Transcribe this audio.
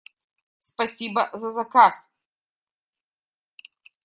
Спасибо за заказ!